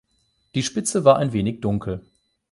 Die Spitze war ein wenig dunkel.